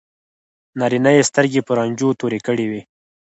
نارینه یې سترګې په رنجو تورې کړې وي.